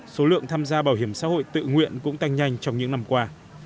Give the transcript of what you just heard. số lượng tham gia bảo hiểm xã hội tự nguyện cũng tăng nhanh trong những năm qua